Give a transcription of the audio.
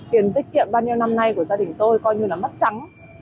tiền tiết kiệm bao nhiêu năm nay của gia đình tôi coi như là mất trắng